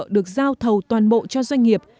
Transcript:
được giao thầu toàn bộ cho doanh nghiệp